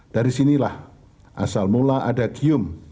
dari sinilah asal mula ada kium